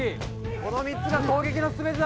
この３つが攻撃の全てだ！